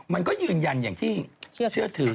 มันก็ยืนยันอย่างที่เชื่อถือ